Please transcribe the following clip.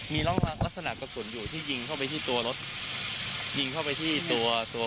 มีร่องรอยลักษณะกระสุนอยู่ที่ยิงเข้าไปที่ตัวรถยิงเข้าไปที่ตัวตัว